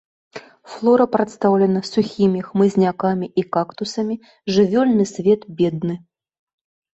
Флора прадстаўлена сухімі хмызнякамі і кактусамі, жывёльны свет бедны.